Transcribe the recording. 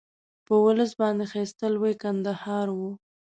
په ولس باندې ښایسته لوی کندهار وو.